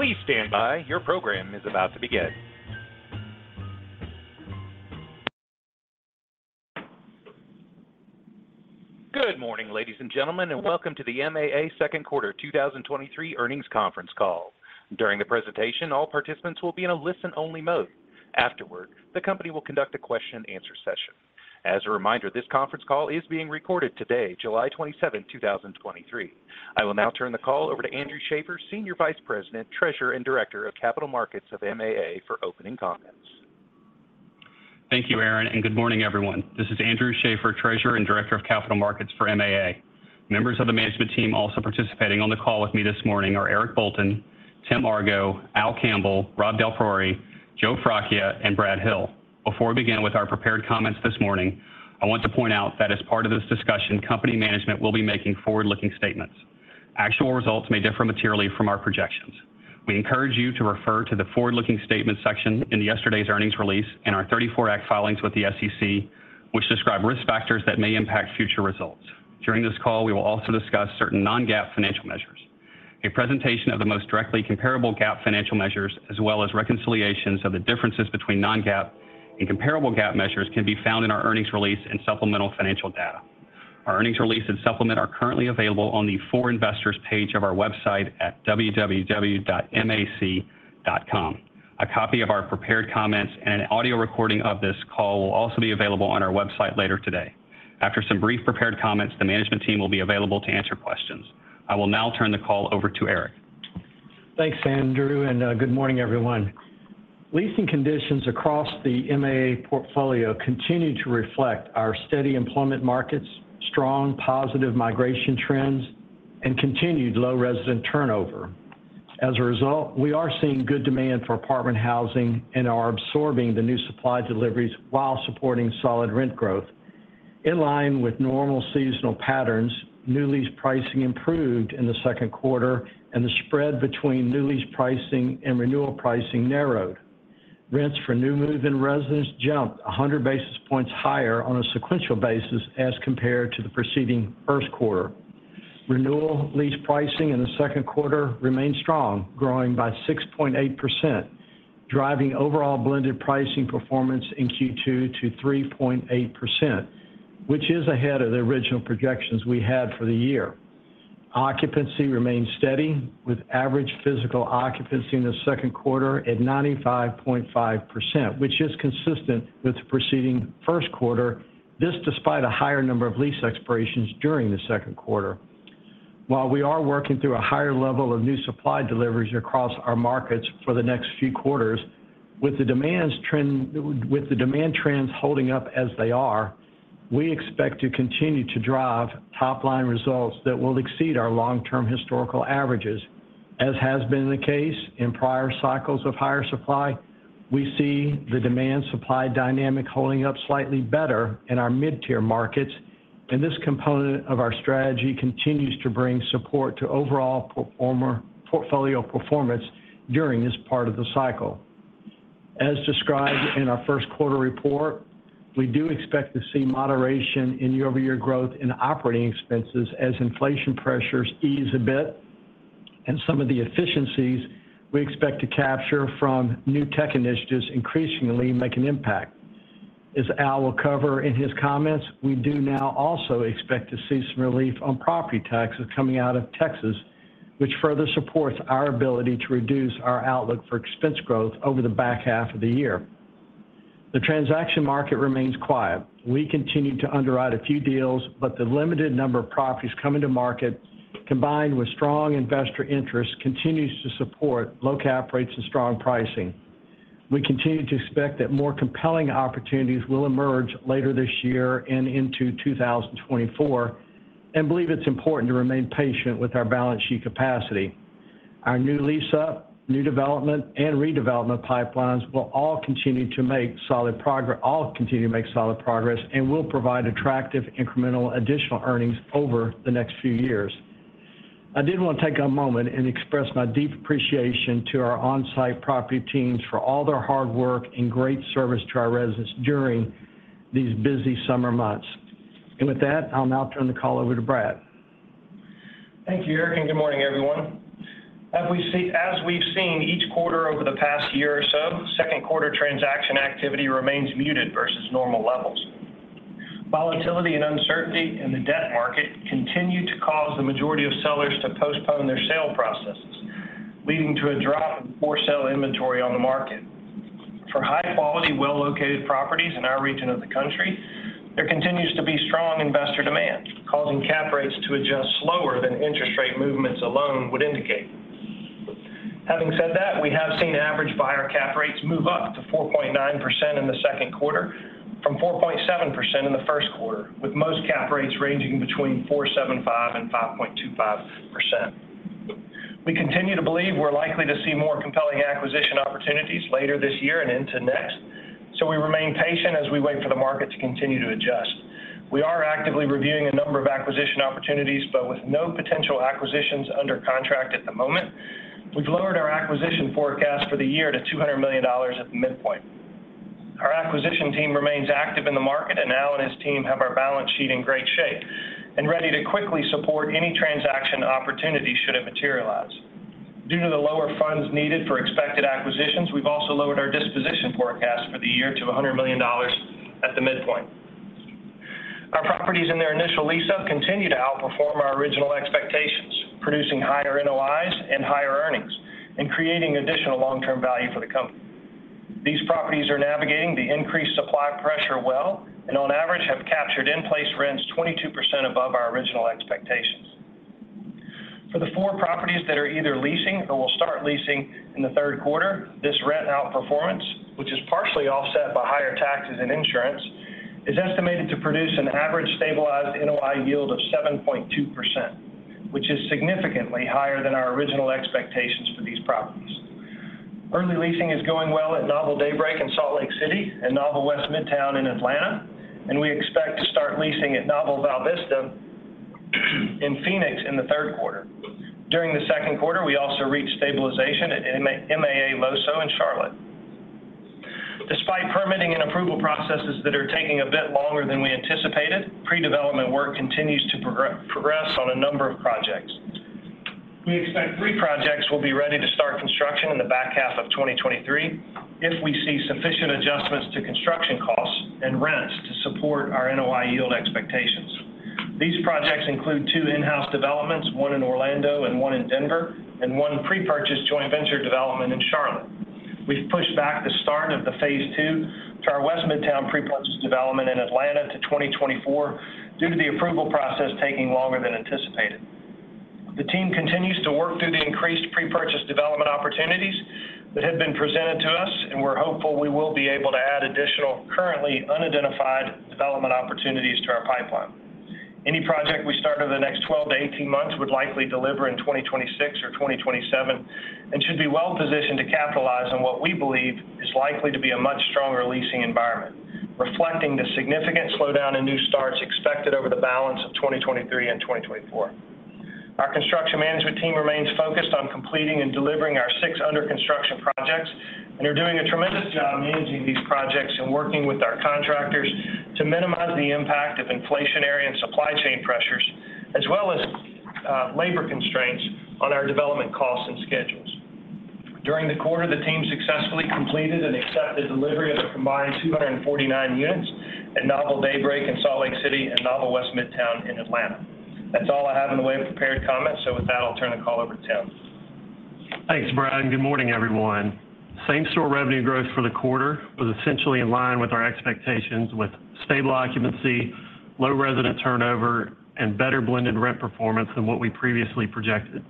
Please stand by. Your program is about to begin. Good morning, ladies and gentlemen, welcome to the MAA Second Quarter 2023 Earnings Conference Call. During the presentation, all participants will be in a listen-only mode. Afterward, the company will conduct a question-and-answer session. As a reminder, this conference call is being recorded today, July 27, 2023. I will now turn the call over to Andrew Schaeffer, Senior Vice President, Treasurer, and Director of Capital Markets of MAA, for opening comments. Thank you, Aaron. Good morning, everyone. This is Andrew Schaeffer, Treasurer and Director of Capital Markets for MAA. Members of the management team also participating on the call with me this morning are Eric Bolton, Tim Argo, Al Campbell, Rob DelPriore, Joe Fracchia, and Brad Hill. Before we begin with our prepared comments this morning, I want to point out that as part of this discussion, company management will be making forward-looking statements. Actual results may differ materially from our projections. We encourage you to refer to the forward-looking statements section in yesterday's earnings release and our 34 Act filings with the SEC, which describe risk factors that may impact future results. During this call, we will also discuss certain non-GAAP financial measures. A presentation of the most directly comparable GAAP financial measures, as well as reconciliations of the differences between non-GAAP and comparable GAAP measures, can be found in our earnings release and supplemental financial data. Our earnings release and supplement are currently available on the For Investors page of our website at www.maac.com. A copy of our prepared comments and an audio recording of this call will also be available on our website later today. After some brief prepared comments, the management team will be available to answer questions. I will now turn the call over to Eric. Thanks, Andrew. Good morning, everyone. Leasing conditions across the MAA portfolio continue to reflect our steady employment markets, strong positive migration trends, and continued low resident turnover. As a result, we are seeing good demand for apartment housing and are absorbing the new supply deliveries while supporting solid rent growth. In line with normal seasonal patterns, new lease pricing improved in the second quarter. The spread between new lease pricing and renewal pricing narrowed. Rents for new move-in residents jumped 100 basis points higher on a sequential basis as compared to the preceding first quarter. Renewal lease pricing in the second quarter remained strong, growing by 6.8%, driving overall blended pricing performance in Q2 to 3.8%, which is ahead of the original projections we had for the year. Occupancy remained steady, with average physical occupancy in the second quarter at 95.5%, which is consistent with the preceding first quarter. This, despite a higher number of lease expirations during the second quarter. While we are working through a higher level of new supply deliveries across our markets for the next few quarters, with the demand trends holding up as they are, we expect to continue to drive top-line results that will exceed our long-term historical averages. As has been the case in prior cycles of higher supply, we see the demand-supply dynamic holding up slightly better in our mid-tier markets, and this component of our strategy continues to bring support to overall portfolio performance during this part of the cycle. As described in our first quarter report, we do expect to see moderation in year-over-year growth in operating expenses as inflation pressures ease a bit, and some of the efficiencies we expect to capture from new tech initiatives increasingly make an impact. As Al will cover in his comments, we do now also expect to see some relief on property taxes coming out of Texas, which further supports our ability to reduce our outlook for expense growth over the back half of the year. The transaction market remains quiet. We continue to underwrite a few deals, but the limited number of properties coming to market, combined with strong investor interest, continues to support low cap rates and strong pricing. We continue to expect that more compelling opportunities will emerge later this year and into 2024, and believe it's important to remain patient with our balance sheet capacity. Our new lease-up, new development, and redevelopment pipelines will all continue to make solid progress and will provide attractive incremental additional earnings over the next few years. I did want to take a moment and express my deep appreciation to our on-site property teams for all their hard work and great service to our residents during these busy summer months. With that, I'll now turn the call over to Brad. Thank you, Eric, and good morning, everyone. As we've seen each quarter over the past year or so, second quarter transaction activity remains muted versus normal levels. Volatility and uncertainty in the debt market continue to cause the majority of sellers to postpone their sale processes, leading to a drop in for-sale inventory on the market. For high-quality, well-located properties in our region of the country, there continues to be strong investor demand, causing cap rates to adjust slower than interest rate movements alone would indicate. Having said that, we have seen average buyer cap rates move up to 4.9% in the second quarter from 4.7% in the first quarter, with most cap rates ranging between 4.75% and 5.25%. We continue to believe we're likely to see more compelling acquisition opportunities later this year and into next, so we remain patient as we wait for the market to continue to adjust. We are actively reviewing a number of acquisition opportunities, but with no potential acquisitions under contract at the moment, we've lowered our acquisition forecast for the year to $200 million at the midpoint. acquisition team remains active in the market, and Al and his team have our balance sheet in great shape, and ready to quickly support any transaction opportunity should it materialize. Due to the lower funds needed for expected acquisitions, we've also lowered our disposition forecast for the year to $100 million at the midpoint. Our properties in their initial lease-up continue to outperform our original expectations, producing higher NOIs and higher earnings, and creating additional long-term value for the company. These properties are navigating the increased supply pressure well. On average, have captured in-place rents 22% above our original expectations. For the four properties that are either leasing or will start leasing in the third quarter, this rent outperformance, which is partially offset by higher taxes and insurance, is estimated to produce an average stabilized NOI yield of 7.2%, which is significantly higher than our original expectations for these properties. Early leasing is going well at NOVEL Daybreak in Salt Lake City and NOVEL West Midtown in Atlanta. We expect to start leasing at NOVEL Val Vista in Phoenix in the third quarter. During the second quarter, we also reached stabilization at MAA LoSo in Charlotte. Despite permitting and approval processes that are taking a bit longer than we anticipated, pre-development work continues to progress on a number of projects. We expect three projects will be ready to start construction in the back half of 2023, if we see sufficient adjustments to construction costs and rents to support our NOI yield expectations. These projects include two in-house developments, one in Orlando and one in Denver, and one pre-purchase joint venture development in Charlotte. We've pushed back the start of the phase two to our West Midtown pre-purchase development in Atlanta to 2024, due to the approval process taking longer than anticipated. The team continues to work through the increased pre-purchase development opportunities that have been presented to us, and we're hopeful we will be able to add additional, currently unidentified, development opportunities to our pipeline. Any project we start over the next 12-18 months would likely deliver in 2026 or 2027. Should be well positioned to capitalize on what we believe is likely to be a much stronger leasing environment, reflecting the significant slowdown in new starts expected over the balance of 2023 and 2024. Our construction management team remains focused on completing and delivering our six under construction projects. Are doing a tremendous job managing these projects and working with our contractors to minimize the impact of inflationary and supply chain pressures, as well as labor constraints on our development costs and schedules. During the quarter, the team successfully completed and accepted delivery of a combined 249 units at Novel Daybreak in Salt Lake City and Novel West Midtown in Atlanta. That's all I have in the way of prepared comments, so with that, I'll turn the call over to Tim. Thanks, Brad. Good morning, everyone. Same-store revenue growth for the quarter was essentially in line with our expectations, with stable occupancy, low resident turnover, and better blended rent performance than what we previously projected.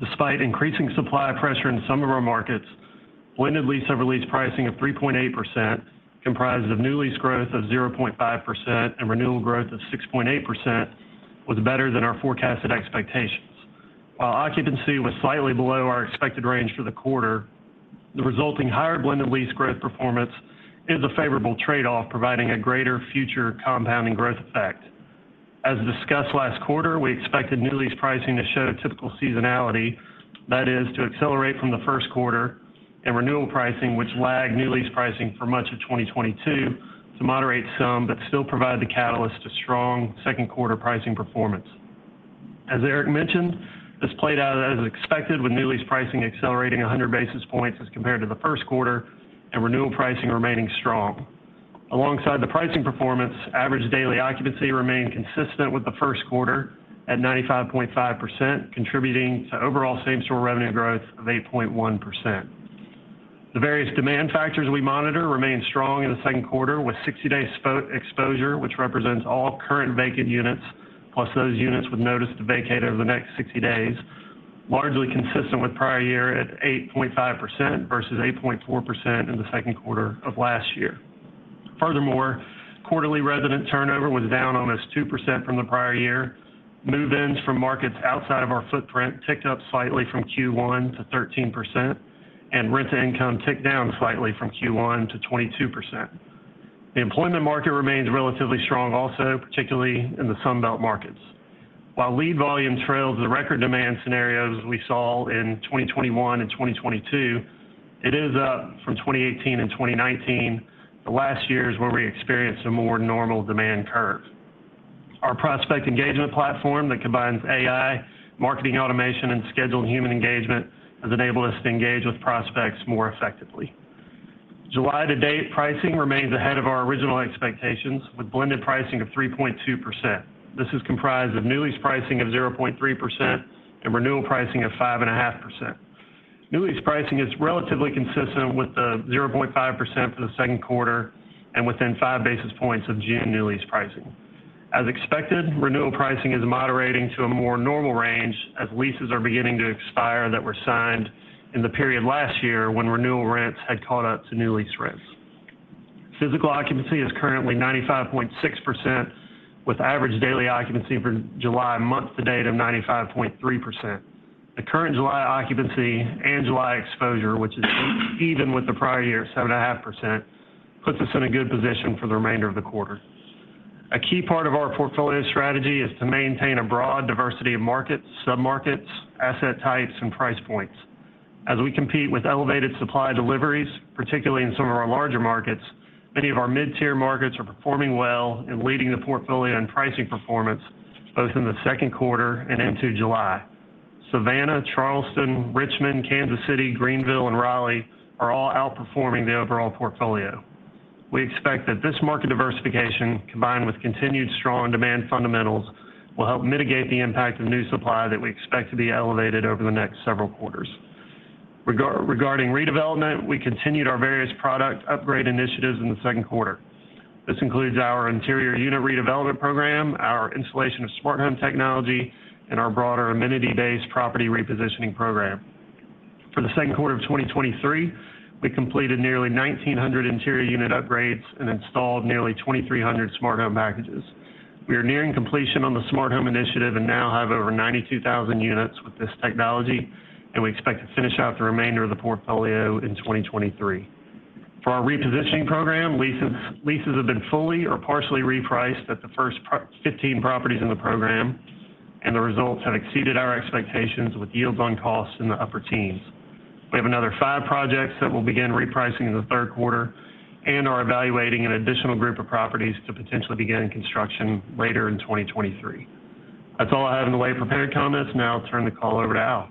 Despite increasing supply pressure in some of our markets, blended lease over lease pricing of 3.8%, comprised of new lease growth of 0.5% and renewal growth of 6.8%, was better than our forecasted expectations. While occupancy was slightly below our expected range for the quarter, the resulting higher blended lease growth performance is a favorable trade-off, providing a greater future compounding growth effect. As discussed last quarter, we expected new lease pricing to show typical seasonality, that is, to accelerate from the first quarter, and renewal pricing, which lagged new lease pricing for much of 2022, to moderate some, but still provide the catalyst to strong second quarter pricing performance. As Eric mentioned, this played out as expected, with new lease pricing accelerating 100 basis points as compared to the first quarter, and renewal pricing remaining strong. Alongside the pricing performance, average daily occupancy remained consistent with the first quarter at 95.5%, contributing to overall same-store revenue growth of 8.1%. The various demand factors we monitor remained strong in the second quarter, with 60-day exposure, which represents all current vacant units, plus those units with notice to vacate over the next 60 days, largely consistent with prior year at 8.5% versus 8.4% in the second quarter of last year. Furthermore, quarterly resident turnover was down almost 2% from the prior year. Move-ins from markets outside of our footprint ticked up slightly from Q1 to 13%, and rent-to-income ticked down slightly from Q1 to 22%. The employment market remains relatively strong also, particularly in the Sun Belt markets. While lead volume trails the record demand scenarios we saw in 2021 and 2022, it is up from 2018 and 2019, the last years where we experienced a more normal demand curve. Our prospect engagement platform that combines AI, marketing automation, and scheduled human engagement, has enabled us to engage with prospects more effectively. July-to-date pricing remains ahead of our original expectations, with blended pricing of 3.2%. This is comprised of new lease pricing of 0.3% and renewal pricing of 5.5%. New lease pricing is relatively consistent with the 0.5% for the second quarter and within 5 basis points of June new lease pricing. As expected, renewal pricing is moderating to a more normal range as leases are beginning to expire that were signed in the period last year when renewal rents had caught up to new lease rents. Physical occupancy is currently 95.6%, with average daily occupancy for July month to date of 95.3%. The current July occupancy and July exposure, which is even with the prior year, 7.5%, puts us in a good position for the remainder of the quarter. We compete with elevated supply deliveries, particularly in some of our larger markets, many of our mid-tier markets are performing well and leading the portfolio in pricing performance both in the second quarter and into July. Savannah, Charleston, Richmond, Kansas City, Greenville, and Raleigh are all outperforming the overall portfolio. We expect that this market diversification, combined with continued strong demand fundamentals, will help mitigate the impact of new supply that we expect to be elevated over the next several quarters. Regarding redevelopment, we continued our various product upgrade initiatives in the second quarter. This includes our interior unit redevelopment program, our installation of smart home technology, and our broader amenity-based property repositioning program. For the second quarter of 2023, we completed nearly 1,900 interior unit upgrades and installed nearly 2,300 smart home packages. We are nearing completion on the smart home initiative and now have over 92,000 units with this technology, and we expect to finish out the remainder of the portfolio in 2023. For our repositioning program, leases have been fully or partially repriced at the first 15 properties in the program, and the results have exceeded our expectations, with yields on costs in the upper teens. We have another 5 projects that will begin repricing in the third quarter and are evaluating an additional group of properties to potentially begin construction later in 2023. That's all I have in the way of prepared comments. Now I'll turn the call over to Al.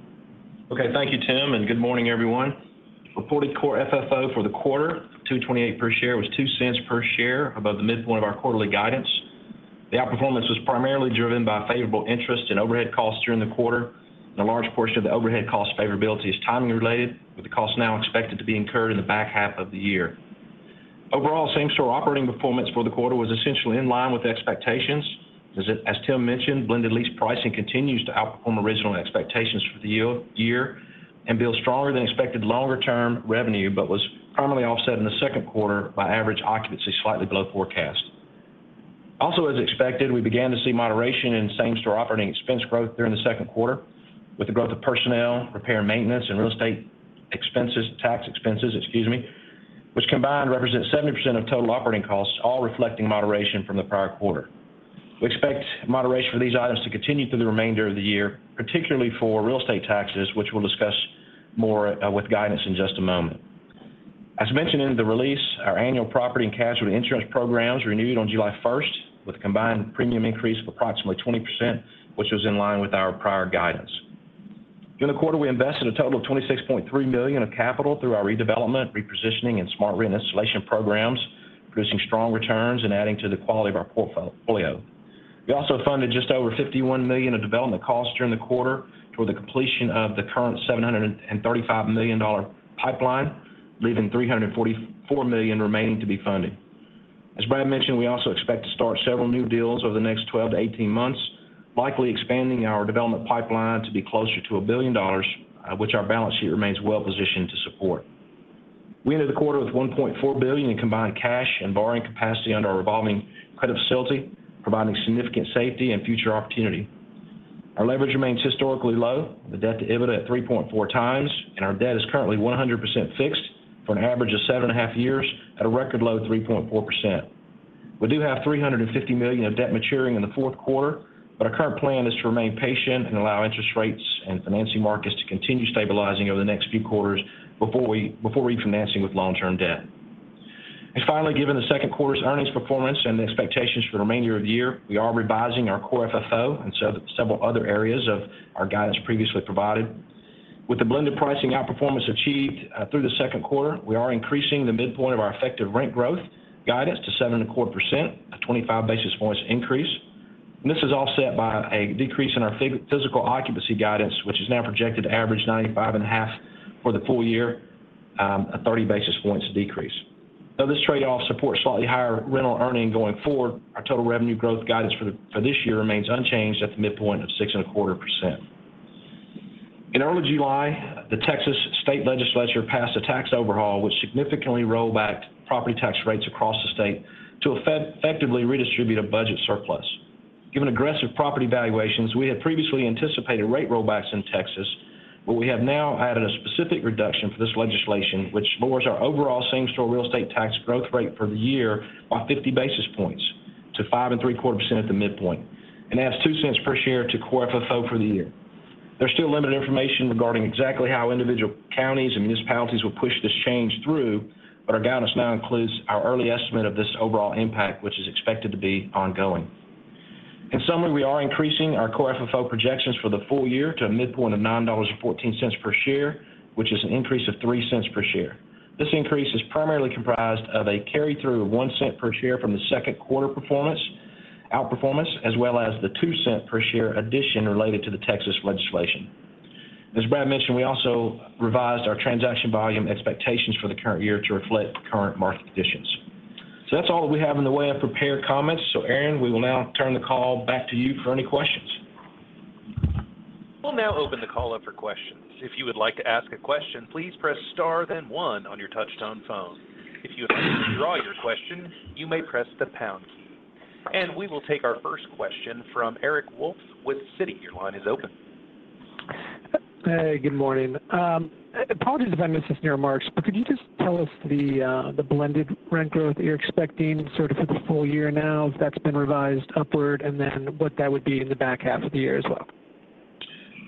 Okay, thank you, Tim, and good morning, everyone. Reported Core FFO for the quarter, $2.28 per share, was $0.02 per share above the midpoint of our quarterly guidance. The outperformance was primarily driven by favorable interest and overhead costs during the quarter. A large portion of the overhead cost favorability is timing related, with the costs now expected to be incurred in the back half of the year. Overall, same-store operating performance for the quarter was essentially in line with expectations. As Tim mentioned, blended lease pricing continues to outperform original expectations for the yield year and build stronger than expected longer-term revenue, but was primarily offset in the second quarter by average occupancy slightly below forecast. As expected, we began to see moderation in same-store operating expense growth during the second quarter, with the growth of personnel, repair and maintenance, and real estate expenses, tax expenses, excuse me, which combined represent 70% of total operating costs, all reflecting moderation from the prior quarter. We expect moderation for these items to continue through the remainder of the year, particularly for real estate taxes, which we'll discuss more with guidance in just a moment. As mentioned in the release, our annual property and casualty insurance programs renewed on July 1st, with a combined premium increase of approximately 20%, which was in line with our prior guidance. During the quarter, we invested a total of $26.3 million of capital through our redevelopment, repositioning, and SmartRent installation programs, producing strong returns and adding to the quality of our portfolio. We also funded just over $51 million of development costs during the quarter toward the completion of the current $735 million pipeline, leaving $344 million remaining to be funded. As Brad mentioned, we also expect to start several new deals over the next 12-18 months, likely expanding our development pipeline to be closer to $1 billion, which our balance sheet remains well positioned to support. We ended the quarter with $1.4 billion in combined cash and borrowing capacity under our revolving credit facility, providing significant safety and future opportunity. Our leverage remains historically low, the debt to EBITDA at 3.4x, and our debt is currently 100% fixed for an average of seven and a half years at a record low of 3.4%. We do have $350 million of debt maturing in the fourth quarter, but our current plan is to remain patient and allow interest rates and financing markets to continue stabilizing over the next few quarters before refinancing with long-term debt. Finally, given the second quarter's earnings performance and the expectations for the remainder of the year, we are revising our Core FFO and several other areas of our guidance previously provided. With the blended pricing outperformance achieved through the second quarter, we are increasing the midpoint of our effective rent growth guidance to 7.25%, a 25 basis points increase. This is offset by a decrease in our physical occupancy guidance, which is now projected to average 95.5% for the full year, a 30 basis points decrease. Though this trade-off supports slightly higher rental earning going forward, our total revenue growth guidance for this year remains unchanged at the midpoint of 6.25%. In early July, the Texas Legislature passed a tax overhaul, which significantly rolled back property tax rates across the state to effectively redistribute a budget surplus. Given aggressive property valuations, we had previously anticipated rate rollbacks in Texas, but we have now added a specific reduction for this legislation, which lowers our overall same-store real estate tax growth rate for the year by 50 basis points to 5.75% at the midpoint, and adds $0.02 per share to Core FFO for the year. There's still limited information regarding exactly how individual counties and municipalities will push this change through, our guidance now includes our early estimate of this overall impact, which is expected to be ongoing. In summary, we are increasing our Core FFO projections for the full year to a midpoint of $9.14 per share, which is an increase of $0.03 per share. This increase is primarily comprised of a carry-through of $0.01 per share from the second quarter performance, outperformance, as well as the $0.02 per share addition related to the Texas Legislature. As Brad mentioned, we also revised our transaction volume expectations for the current year to reflect current market conditions. That's all we have in the way of prepared comments. Aaron, we will now turn the call back to you for any questions. We'll now open the call up for questions. If you would like to ask a question, please press star, then one on your touchtone phone. If you would like to withdraw your question, you may press the pound key. We will take our first question from Eric Wolfe with Citi. Your line is open. Hey, good morning. Apologies if I missed this in your remarks, but could you just tell us the blended rent growth that you're expecting sort of for the full year now, if that's been revised upward, and then what that would be in the back half of the year as well?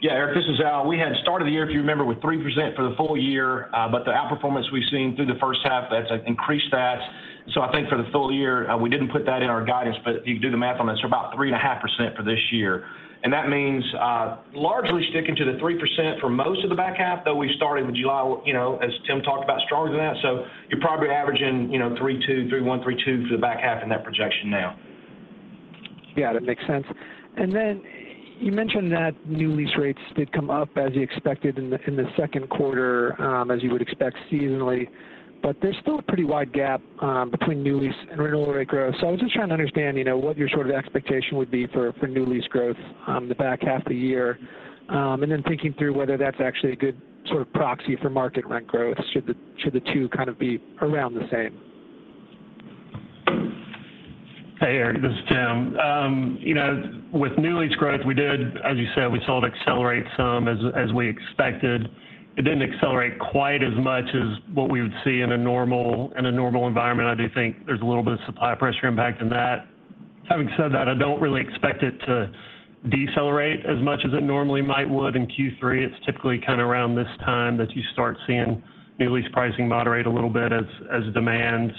Yeah, Eric, this is Al. We had started the year, if you remember, with 3% for the full year, but the outperformance we've seen through the first half, that's increased that. I think for the full year, we didn't put that in our guidance, but you can do the math on this, about 3.5% for this year. That means, largely sticking to the 3% for most of the back half, though we started in July, you know, as Tim talked about, stronger than that. You're probably averaging, you know, 3.2%, 3.1%, 3.2% for the back half in that projection now. Yeah, that makes sense. You mentioned that new lease rates did come up as you expected in the second quarter, as you would expect seasonally, but there's still a pretty wide gap between new lease and renewal rate growth. I was just trying to understand, you know, what your sort of expectation would be for new lease growth the back half of the year, and then thinking through whether that's actually a good sort of proxy for market rent growth. Should the two kind of be around the same? Hey, Eric, this is Tim. you know, with new lease growth, we did as you said, we saw it accelerate some as we expected. It didn't accelerate quite as much as what we would see in a normal environment. I do think there's a little bit of supply pressure impact in that. Having said that, I don't really expect it to decelerate as much as it normally might would in Q3. It's typically kind of around this time that you start seeing new lease pricing moderate a little bit as demand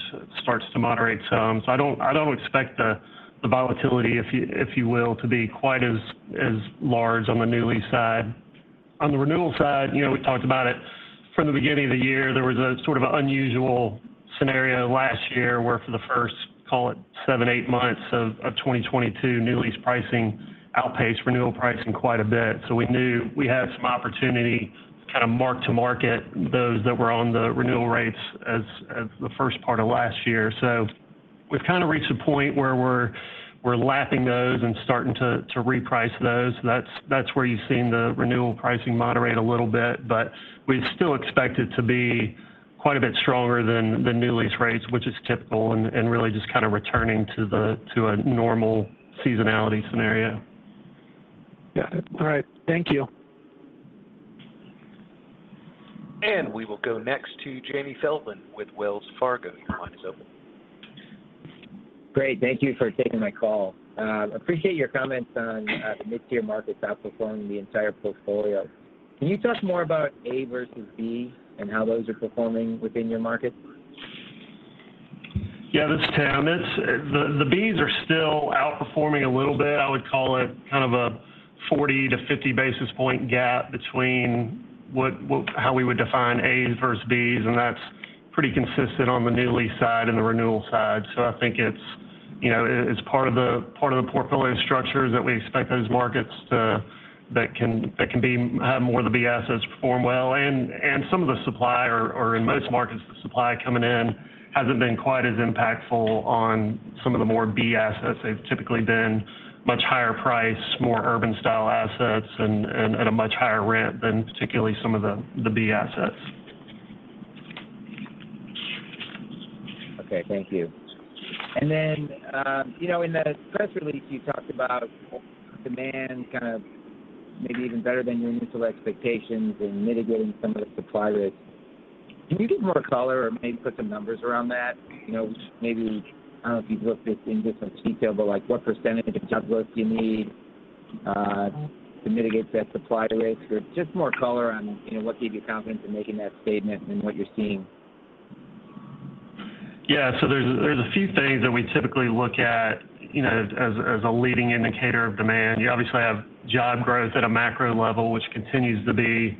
starts to moderate some. I don't, I don't expect the volatility, if you, if you will, to be quite as large on the new lease side. On the renewal side, you know, we talked about it from the beginning of the year. There was a sort of unusual scenario last year, where for the first, call it seven, eight months of 2022, new lease pricing outpaced renewal pricing quite a bit. We knew we had some opportunity to kind of mark to market those that were on the renewal rates as the first part of last year. We've kind of reached a point where we're lapping those and starting to reprice those. That's where you've seen the renewal pricing moderate a little bit, but we still expect it to be quite a bit stronger than the new lease rates, which is typical and really just kind of returning to a normal seasonality scenario. Yeah. All right. Thank you. We will go next to Jamie Feldman with Wells Fargo. Your line is open. Great. Thank you for taking my call. appreciate your comments on the mid-tier markets outperforming the entire portfolio. Can you talk more about A versus B and how those are performing within your markets? Yeah, this is Tim. It's. The Bs are still outperforming a little bit. I would call it kind of a 40 to 50 basis point gap between what how we would define As versus Bs, and that's pretty consistent on the new lease side and the renewal side. I think it's, you know, it's part of the portfolio structure that we expect those markets to. That can be more of the B assets perform well. Some of the supply or in most markets, the supply coming in hasn't been quite as impactful on some of the more B assets. They've typically been much higher price, more urban style assets and at a much higher rent than particularly some of the B assets. Okay, thank you. Then, you know, in that press release, you talked about demand kind of maybe even better than your initial expectations and mitigating some of the supply risk. Can you give more color or maybe put some numbers around that? You know, maybe, I don't know if you've looked this into some detail, but, like, what percentage of job growth do you need to mitigate that supply risk? Just more color on, you know, what gave you confidence in making that statement and what you're seeing. Yeah. There's a few things that we typically look at, you know, as a leading indicator of demand. You obviously have job growth at a macro level, which continues to be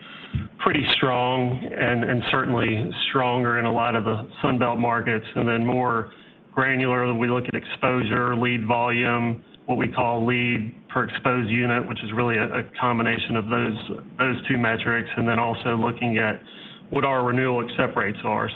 pretty strong and certainly stronger in a lot of the Sun Belt markets. Then more granularly, we look at exposure, lead volume, what we call lead per exposed unit, which is really a combination of those two metrics, and then also looking at what our renewal accept rates are.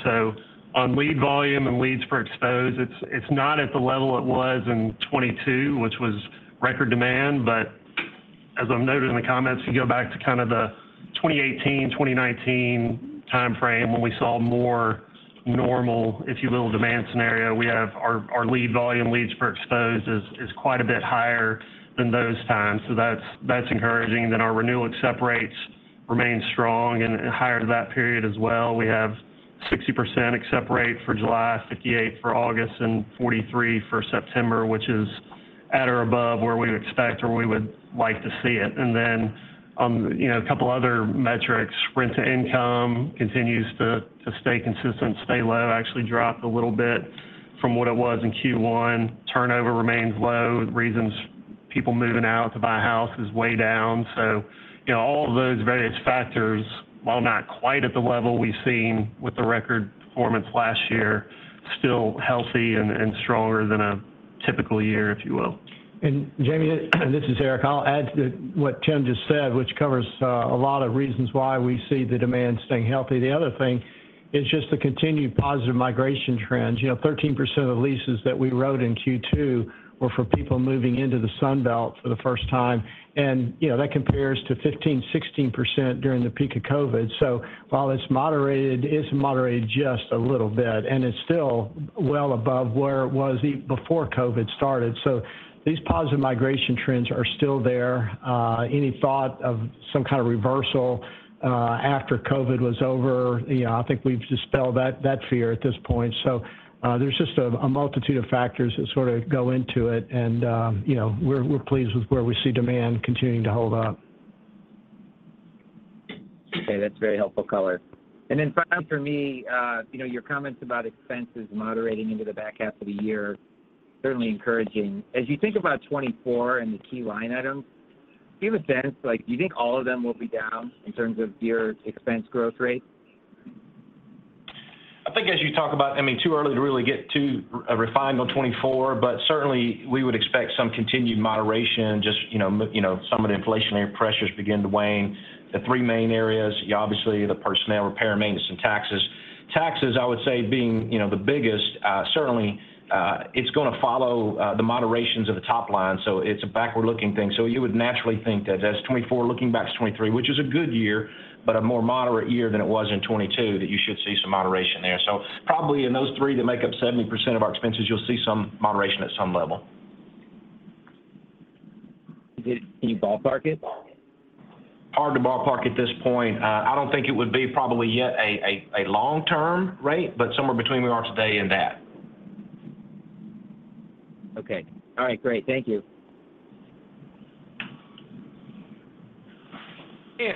On lead volume and leads per exposed, it's not at the level it was in 22, which was record demand. As I've noted in the comments, you go back to kind of the 2018, 2019 timeframe, when we saw more normal, if you will, demand scenario, we have our, our lead volume, leads per exposed is, is quite a bit higher than those times. That's, that's encouraging. Our renewal accept rates remain strong and higher to that period as well. We have 60% accept rate for July, 58 for August and 43 for September, which is at or above where we would expect or we would like to see it. Then, you know, a couple other metrics. Rent-to-income continues to stay consistent, stay low, actually dropped a little bit from what it was in Q1. Turnover remains low. The reasons people moving out to buy a house is way down. you know, all of those various factors, while not quite at the level we've seen with the record performance last year, still healthy and stronger than a typical year, if you will. Jamie, this is Eric. I'll add to what Tim just said, which covers a lot of reasons why we see the demand staying healthy. The other thing is just the continued positive migration trends. You know, 13% of leases that we wrote in Q2 were for people moving into the Sun Belt for the first time, and, you know, that compares to 15%-16% during the peak of COVID. While it's moderated, it's moderated just a little bit, and it's still well above where it was before COVID started. These positive migration trends are still there. Any thought of some kind of reversal after COVID was over, you know, I think we've dispelled that, that fear at this point. There's just a multitude of factors that sort of go into it, and, you know, we're pleased with where we see demand continuing to hold up. Okay, that's very helpful color. Finally, for me, you know, your comments about expenses moderating into the back half of the year, certainly encouraging. As you think about 2024 and the key line items, do you have a sense, like, do you think all of them will be down in terms of your expense growth rate? I think as you talk about, I mean, too early to really get too refined on 2024, but certainly we would expect some continued moderation, just, you know, some of the inflationary pressures begin to wane. The three main areas, yeah, obviously, the personnel, repair, maintenance, and taxes. Taxes, I would say being, you know, the biggest, certainly, it's gonna follow the moderations of the top line, so it's a backward-looking thing. You would naturally think that as 2024 looking back to 2023, which is a good year, but a more moderate year than it was in 2022, that you should see some moderation there. Probably in those three that make up 70% of our expenses, you'll see some moderation at some level. Can you ballpark it? Hard to ballpark at this point. I don't think it would be probably yet a long-term rate, but somewhere between where we are today and that. Okay. All right, great. Thank you.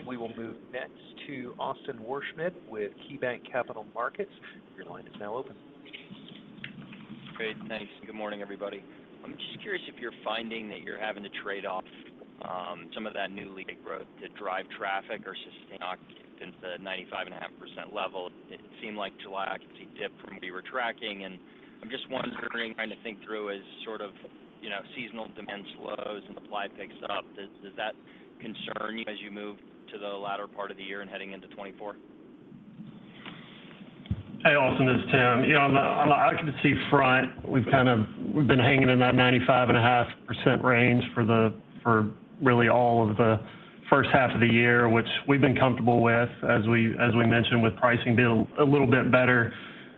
We will move next to Austin Wurschmidt with KeyBanc Capital Markets. Your line is now open. Great, thanks. Good morning, everybody. I'm just curious if you're finding that you're having to trade off some of that newly growth to drive traffic or sustain since the 95.5% level. It seemed like July occupancy dip from what you were tracking, and I'm just wondering, trying to think through as sort of, you know, seasonal demand slows and supply picks up. Does that concern you as you move to the latter part of the year and heading into 2024? Hey, Austin, this is Tim. You know, on the, on the occupancy front, we've been hanging in that 95.5% range for the, for really all of the first half of the year, which we've been comfortable with, as we, as we mentioned, with pricing being a little bit better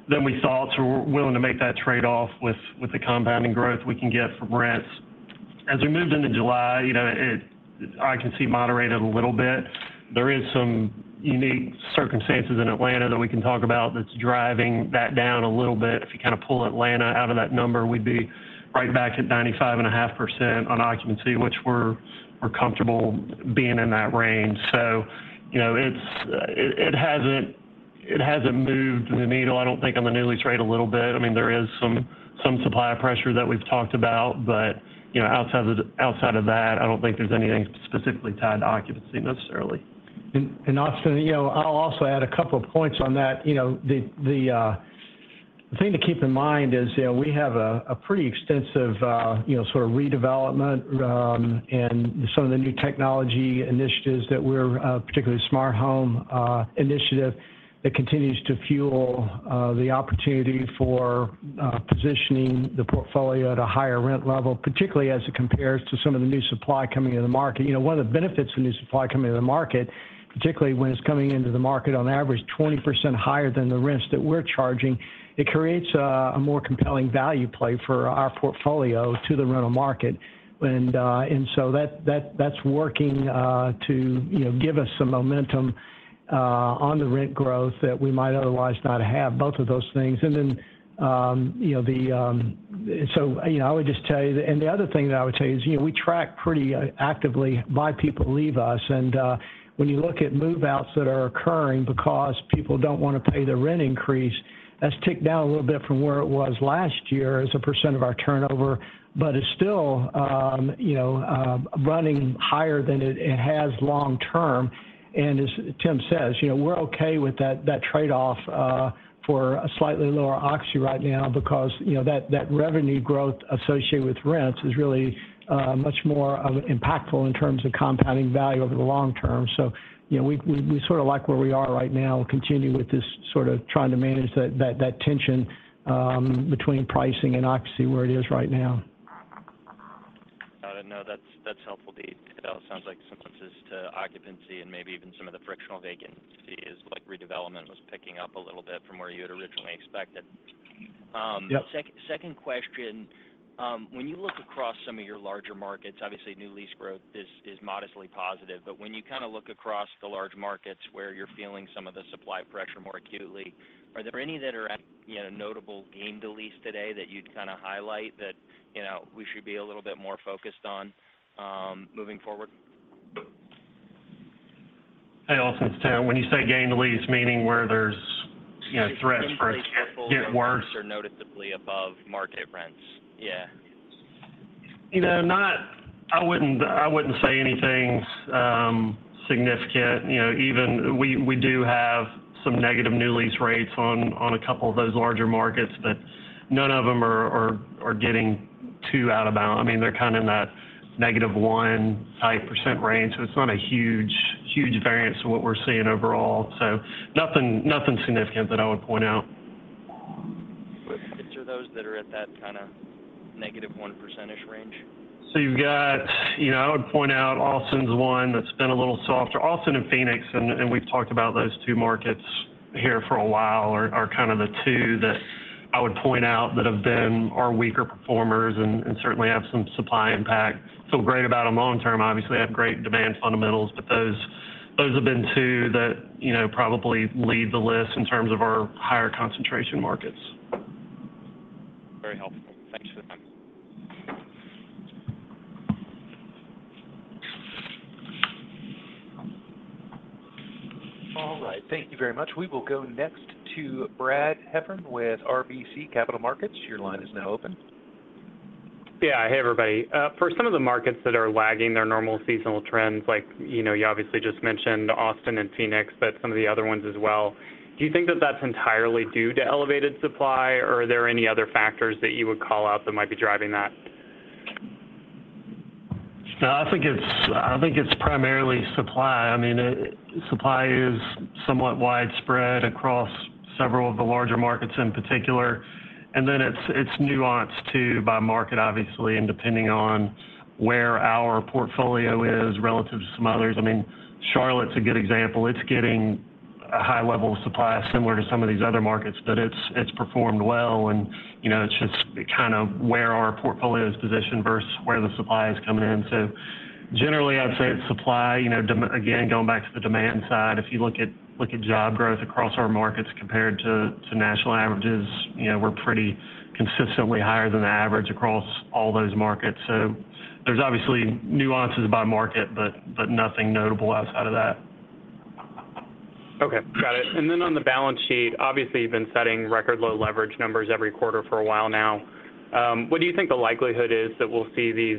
than we thought. We're willing to make that trade-off with, with the compounding growth we can get from rents. As we moved into July, you know, occupancy moderated a little bit. There is some unique circumstances in Atlanta that we can talk about that's driving that down a little bit. If you kind of pull Atlanta out of that number, we'd be right back to 95.5% on occupancy, which we're comfortable being in that range. You know, it's... It hasn't moved the needle, I don't think, on the newly trade a little bit. I mean, there is some supply pressure that we've talked about, you know, outside of that, I don't think there's anything specifically tied to occupancy necessarily. Austin, you know, I'll also add a couple of points on that. You know, the, the thing to keep in mind is, you know, we have a pretty extensive, you know, sort of redevelopment, and some of the new technology initiatives that we're, particularly smart home, initiative, that continues to fuel the opportunity for positioning the portfolio at a higher rent level, particularly as it compares to some of the new supply coming into the market. You know, one of the benefits of new supply coming to the market, particularly when it's coming into the market on average 20% higher than the rents that we're charging, it creates a more compelling value play for our portfolio to the rental market. That's working, to, you know, give us some momentum, on the rent growth that we might otherwise not have, both of those things. You know, I would just tell you. The other thing that I would tell you is, you know, we track pretty actively why people leave us. When you look at move-outs that are occurring because people don't want to pay the rent increase, that's ticked down a little bit from where it was last year as a percent of our turnover, but it's still, you know, running higher than it has long term. As Tim says, you know, we're okay with that, that trade-off for a slightly lower occupancy right now, because, you know, that, that revenue growth associated with rents is really much more impactful in terms of compounding value over the long term. You know, we, we, we sort of like where we are right now, continuing with this sort of trying to manage that, that, that tension between pricing and occupancy where it is right now. No, that's helpful, Eric. It all sounds like some to occupancy and maybe even some of the frictional vacancy is like redevelopment was picking up a little bit from where you had originally expected. Yep. Second question. When you look across some of your larger markets, obviously, new lease growth is modestly positive. When you kind of look across the large markets where you're feeling some of the supply pressure more acutely, are there any that are at, you know, notable gain to lease today that you'd kind of highlight that, you know, we should be a little bit more focused on moving forward? Hey, Austin, it's Tim. When you say gain to lease, meaning where there's, you know, threat for it get worse? Noticeably above market rents. Yeah. You know, I wouldn't say anything significant. You know, even we do have some negative new lease rates on a couple of those larger markets. None of them are getting too out of bounds. I mean, they're kind of in that -1% high range. It's not a huge variance to what we're seeing overall. Nothing significant that I would point out. Which are those that are at that kind of -1% range? You know, I would point out Austin's one that's been a little softer. Austin and Phoenix, and we've talked about those two markets here for a while, are kind of the two that I would point out that have been our weaker performers and certainly have some supply impact. Feel great about them long term. Obviously, we have great demand fundamentals, but those have been two that, you know, probably lead the list in terms of our higher concentration markets. Very helpful. Thank you for the time. All right. Thank you very much. We will go next to Brad Heffern with RBC Capital Markets. Your line is now open. Yeah. Hey, everybody. For some of the markets that are lagging their normal seasonal trends, like, you know, you obviously just mentioned Austin and Phoenix, but some of the other ones as well. Do you think that that's entirely due to elevated supply, or are there any other factors that you would call out that might be driving that? No, I think it's, I think it's primarily supply. I mean, supply is somewhat widespread across several of the larger markets in particular, and then it's, it's nuanced too, by market, obviously, and depending on where our portfolio is relative to some others. I mean, Charlotte's a good example. It's getting a high level of supply, similar to some of these other markets, but it's, it's performed well, and, you know, it's just kind of where our portfolio is positioned versus where the supply is coming in. Generally, I'd say it's supply. You know, again, going back to the demand side, if you look at, look at job growth across our markets compared to national averages, you know, we're pretty consistently higher than the average across all those markets. There's obviously nuances by market, but, but nothing notable outside of that. Okay, got it. Then on the balance sheet, obviously, you've been setting record low leverage numbers every quarter for a while now. What do you think the likelihood is that we'll see these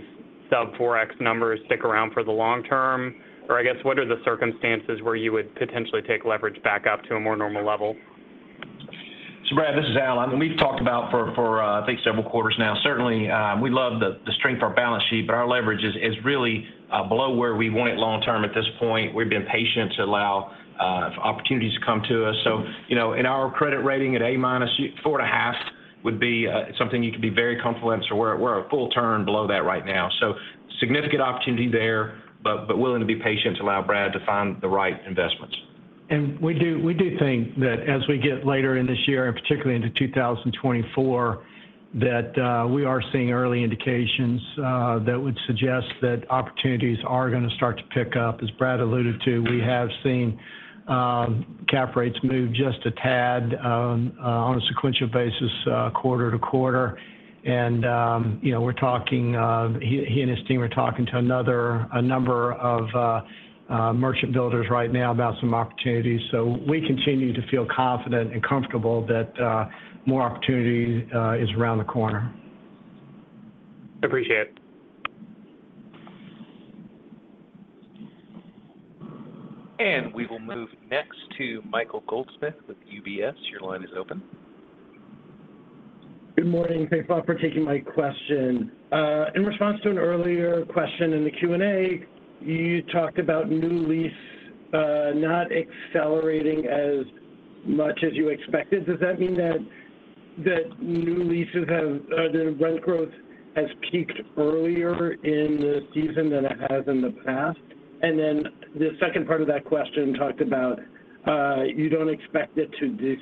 sub-4x numbers stick around for the long term? I guess, what are the circumstances where you would potentially take leverage back up to a more normal level? Brad, this is Al. I mean, we've talked about for, I think several quarters now, certainly, we love the strength of our balance sheet, but our leverage is really below where we want it long term at this point. We've been patient to allow opportunities to come to us. You know, in our credit rating at A-, 4.5 would be something you could be very comfortable in. We're a full turn below that right now. Significant opportunity there, but willing to be patient to allow Brad to find the right investments. We do think that as we get later in this year, and particularly into 2024, that we are seeing early indications that would suggest that opportunities are going to start to pick up. As Brad alluded to, we have seen cap rates move just a tad on a sequential basis quarter to quarter. You know, we're talking. He and his team are talking to a number of merchant builders right now about some opportunities. We continue to feel confident and comfortable that more opportunity is around the corner. Appreciate it. We will move next to Michael Goldsmith with UBS. Your line is open. Good morning. Thanks a lot for taking my question. In response to an earlier question in the Q&A, you talked about new lease, not accelerating as much as you expected. Does that mean that new leases have the rent growth has peaked earlier in the season than it has in the past? Then the second part of that question talked about, you don't expect it to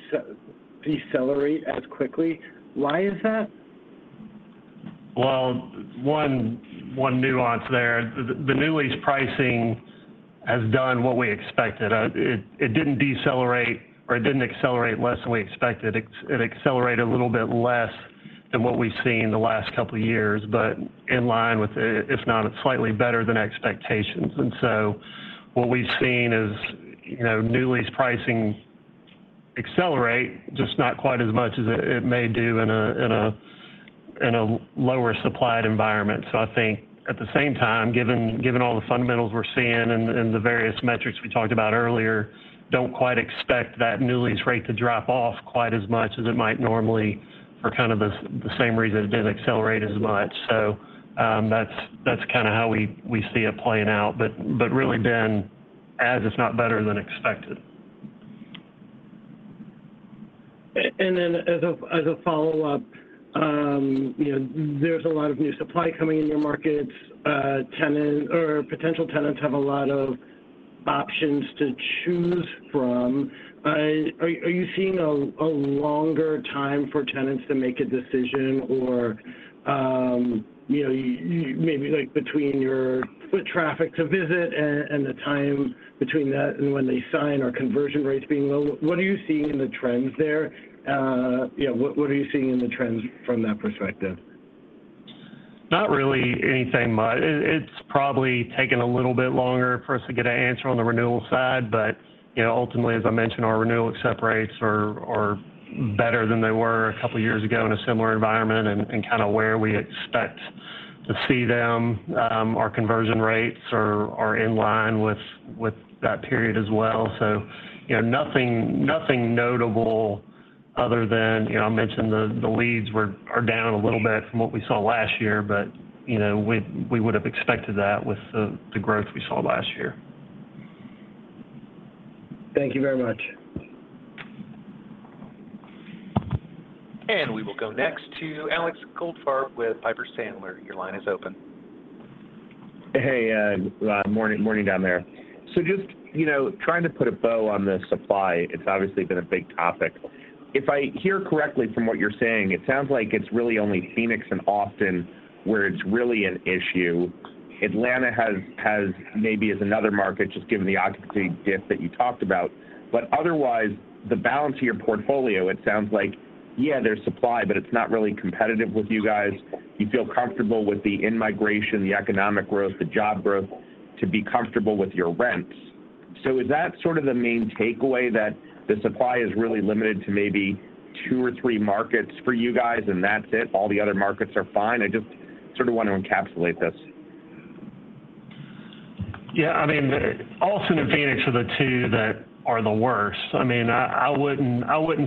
decelerate as quickly. Why is that? Well, one nuance there. The new lease pricing has done what we expected. It didn't decelerate, or it didn't accelerate less than we expected. It accelerated a little bit less than what we've seen in the last couple of years, but in line with, if not slightly better than expectations. What we've seen is, you know, new lease pricing accelerate, just not quite as much as it may do in a lower supplied environment. I think at the same time, given all the fundamentals we're seeing and the various metrics we talked about earlier, don't quite expect that new lease rate to drop off quite as much as it might normally for kind of the same reason it didn't accelerate as much. That's kind of how we see it playing out. Really then, as if not better than expected. Then as a follow-up, you know, there's a lot of new supply coming in your markets. Tenants or potential tenants have a lot of options to choose from. Are you seeing a longer time for tenants to make a decision or, you know, maybe, like, between your foot traffic to visit and the time between that and when they sign, are conversion rates being low? What are you seeing in the trends there? Yeah, what are you seeing in the trends from that perspective? Not really anything much. It's probably taken a little bit longer for us to get an answer on the renewal side, but, you know, ultimately, as I mentioned, our renewal accept rates are better than they were a couple of years ago in a similar environment and kind of where we expect to see them. Our conversion rates are in line with that period as well. You know, nothing notable other than, you know, I mentioned the leads are down a little bit from what we saw last year, but, you know, we would have expected that with the growth we saw last year. Thank you very much. We will go next to Alex Goldfarb with Piper Sandler. Your line is open. Hey, good morning down there. Just, you know, trying to put a bow on the supply, it's obviously been a big topic. If I hear correctly from what you're saying, it sounds like it's really only Phoenix and Austin where it's really an issue. Atlanta has maybe is another market, just given the occupancy dip that you talked about. Otherwise, the balance of your portfolio, it sounds like, yeah, there's supply, but it's not really competitive with you guys. You feel comfortable with the in-migration, the economic growth, the job growth, to be comfortable with your rents? Is that sort of the main takeaway, that the supply is really limited to maybe two or three markets for you guys, and that's it? All the other markets are fine. I just sort of want to encapsulate this. Yeah, I mean, Austin and Phoenix are the two that are the worst. I mean, I wouldn't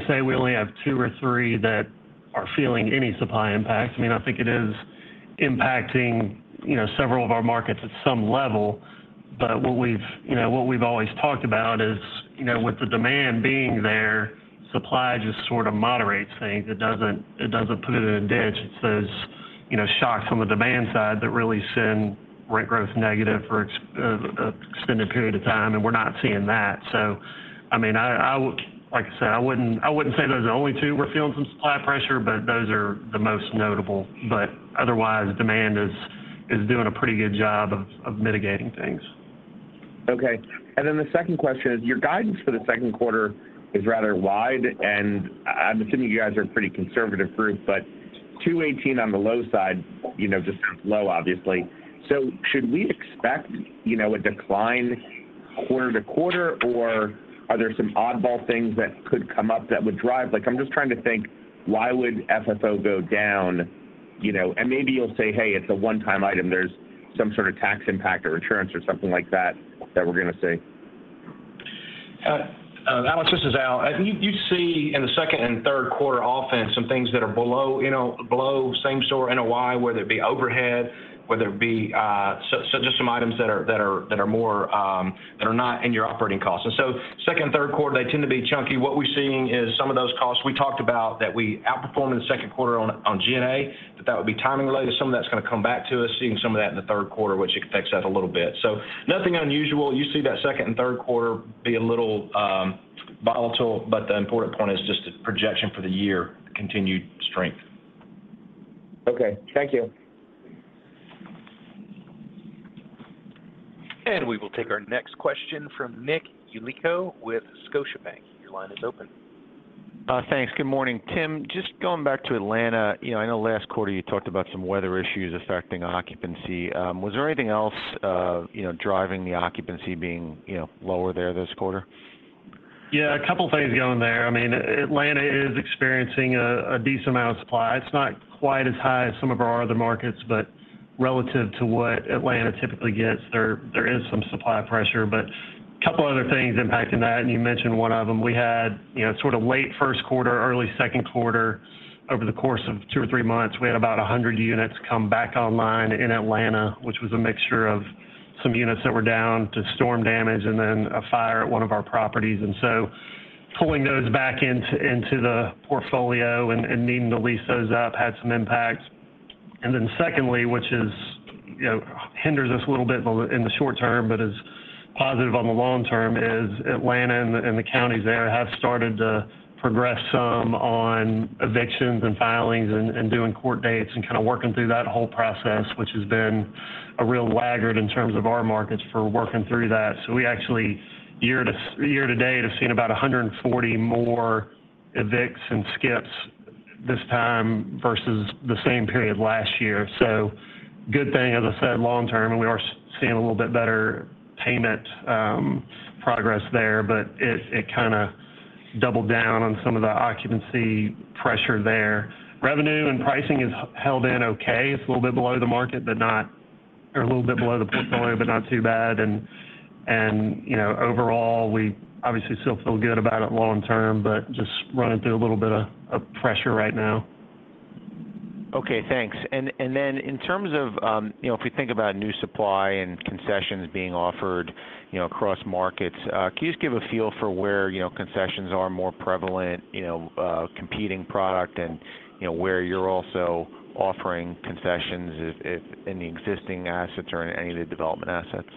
say we only have two or three that are feeling any supply impact. I mean, I think it is impacting, you know, several of our markets at some level. What we've, you know, what we've always talked about is, you know, with the demand being there, supply just sort of moderates things. It doesn't, it doesn't put it in a ditch. It says, you know, shocks on the demand side that really send rent growth negative for a extended period of time, and we're not seeing that. I mean, like I said, I wouldn't say those are the only two. We're feeling some supply pressure, but those are the most notable. Otherwise, demand is doing a pretty good job of mitigating things. Okay. The second question is, your guidance for the second quarter is rather wide. I'm assuming you guys are a pretty conservative group, but $2.18 on the low side, you know, just low obviously. Should we expect, you know, a decline quarter-to-quarter, or are there some oddball things that could come up that would drive... Like, I'm just trying to think, why would FFO go down, you know? Maybe you'll say, "Hey, it's a one-time item." There's some sort of tax impact or insurance or something like that, that we're gonna see. Alex, this is Al. You see in the second and third quarter often some things that are below, you know, below same store NOI, whether it be overhead, whether it be. Just some items that are more that are not in your operating costs. Second and third quarter, they tend to be chunky. What we're seeing is some of those costs we talked about, that we outperformed in the second quarter on G&A, that would be timing related. Some of that's gonna come back to us, seeing some of that in the third quarter, which it affects that a little bit. Nothing unusual. You see that second and third quarter be a little volatile, but the important point is just the projection for the year, continued strength. Okay, thank you. We will take our next question from Nick Yulico with Scotiabank. Your line is open. Thanks. Good morning, Tim. Just going back to Atlanta, you know, I know last quarter you talked about some weather issues affecting occupancy. Was there anything else, you know, driving the occupancy being, you know, lower there this quarter? Yeah, a couple of things going there. I mean, Atlanta is experiencing a decent amount of supply. It's not quite as high as some of our other markets, but relative to what Atlanta typically gets, there is some supply pressure. A couple of other things impacting that, and you mentioned one of them. We had, you know, sort of late first quarter, early second quarter, over the course of two or three months, we had about 100 units come back online in Atlanta, which was a mixture of some units that were down to storm damage and then a fire at one of our properties. Pulling those back into the portfolio and needing to lease those up had some impacts. Secondly, which is, you know, hinders us a little bit in the short term, but is positive on the long term, is Atlanta and the counties there have started to progress some on evictions and filings and doing court dates and kind of working through that whole process, which has been a real laggard in terms of our markets for working through that. We actually, year to date, have seen about 140 more evicts and skips this time versus the same period last year. Good thing, as I said, long term, and we are seeing a little bit better payment progress there, but it kind of doubled down on some of the occupancy pressure there. Revenue and pricing is held in okay. It's a little bit below the market, but not. A little bit below the portfolio, but not too bad. You know, overall, we obviously still feel good about it long term, but just running through a little bit of pressure right now. Okay, thanks. Then in terms of, you know, if we think about new supply and concessions being offered, you know, across markets, can you just give a feel for where, you know, concessions are more prevalent, you know, competing product and, you know, where you're also offering concessions if in the existing assets or in any of the development assets?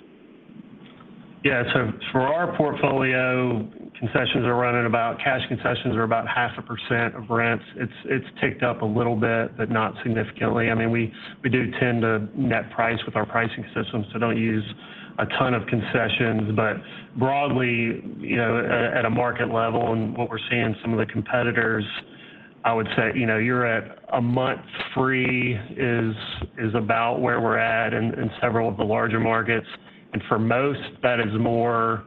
Yeah. For our portfolio, cash concessions are about half a percent of rents. It's ticked up a little bit, but not significantly. I mean, we do tend to net price with our pricing system, don't use a ton of concessions. Broadly, you know, at a market level and what we're seeing some of the competitors, I would say, you know, you're at a month free is about where we're at in several of the larger markets. For most, that is more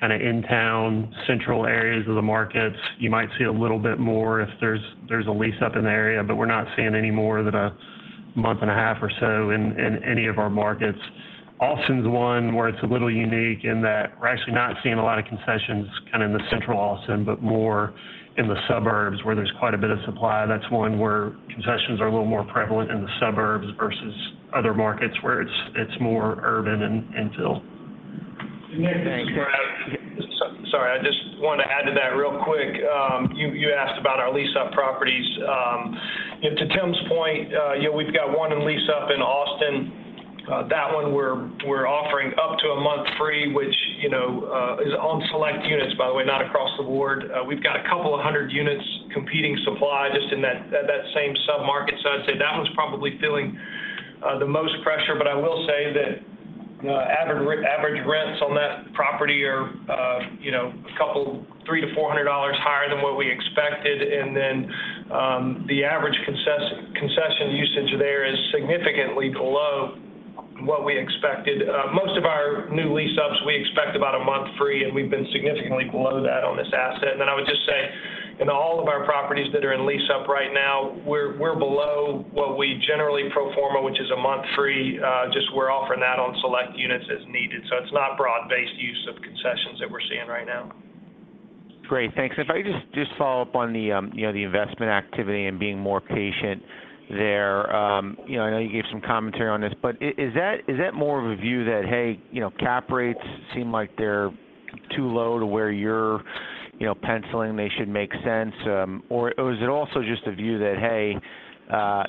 kind of in town, central areas of the markets. You might see a little bit more if there's a lease up in the area, but we're not seeing any more than a month and a half or so in any of our markets. Austin's one where it's a little unique in that we're actually not seeing a lot of concessions kind of in the central Austin, but more in the suburbs where there's quite a bit of supply. That's one where concessions are a little more prevalent in the suburbs versus other markets where it's, it's more urban and infill. Thanks. Sorry, I just wanted to add to that real quick. You asked about our lease-up properties. You know, to Tim's point, you know, we've got one in lease up in Austin. That one we're offering up to one month free, which, you know, is on select units, by the way, not across the board. We've got 200 units competing supply just in that same submarket. I'd say that one's probably feeling the most pressure. I will say that average rents on that property are, you know, $300-$400 higher than what we expected. Then the average concession usage there is significantly below what we expected. Most of our new lease-ups, we expect about a month free, and we've been significantly below that on this asset. I would just say, in all of our properties that are in lease-up right now, we're below what we generally pro forma, which is a month free. We're offering that on select units as needed, so it's not broad-based use of concessions that we're seeing right now. Great. Thanks. If I could just, just follow up on the, you know, the investment activity and being more patient there. You know, I know you gave some commentary on this, but is that more of a view that, hey, you know, cap rates seem like they're too low to where you're, you know, penciling, they should make sense? Is it also just a view that, hey,